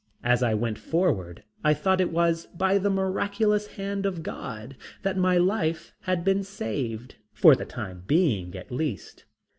As I went forward I thought it was by the miraculous hand of God that my life had been saved, for the time being at least.